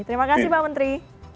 terima kasih pak menteri